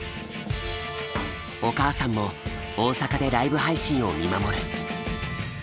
お母さんも大阪でライブ配信を見守る。